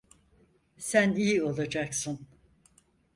Sen iyi olacaksın.